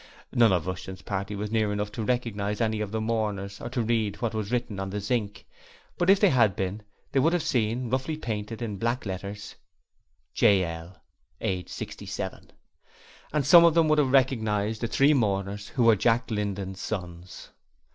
None of Rushton's party was near enough to recognize any of the mourners or to read what was written on the zinc, but if they had been they would have seen, roughly painted in black letters J.L. Aged 67 and some of them would have recognized the three mourners who were Jack Linden's sons.